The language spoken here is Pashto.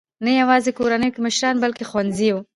نه یواځې کورونو کې مشران، بلکې ښوونځیو.